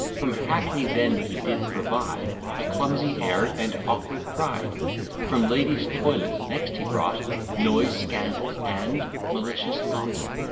From Hackney then he did provide, A clumsy air and awkward pride; From lady's toilet next he brought Noise, scandal, and malicious thought.